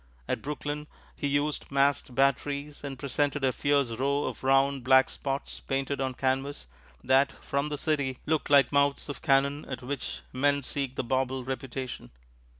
At Brooklyn, he used masked batteries, and presented a fierce row of round, black spots painted on canvas that, from the city, looked like the mouths of cannon at which men seek the bauble reputation.